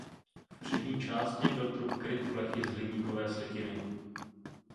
V přední části byl trup kryt plechy z hliníkové slitiny.